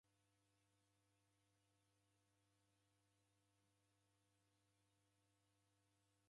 Uja dikanye shighadi imweri waghorie seji vidoi vim'barie.